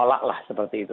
nolak lah seperti itu